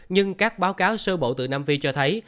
nhưng các báo cáo sơ bộ từ nam phi cho thấy